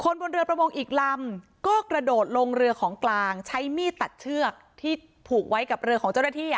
บนเรือประมงอีกลำก็กระโดดลงเรือของกลางใช้มีดตัดเชือกที่ผูกไว้กับเรือของเจ้าหน้าที่